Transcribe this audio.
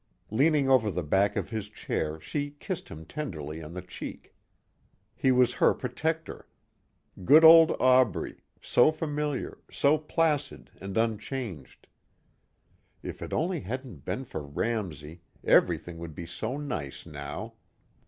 Leaning over the back of his chair she kissed him tenderly on the cheek. He was her protector. Good old Aubrey, so familiar, so placid and unchanged. If it only hadn't been for Ramsey everything would be so nice now.